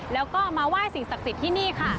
แล้วก็มาไหว้สิ่งศักดิ์สิทธิ์ที่นี่ค่ะ